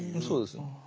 そうですよね。